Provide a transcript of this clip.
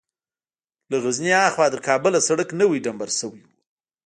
له غزني ها خوا تر کابله سړک نوى ډمبر سوى و.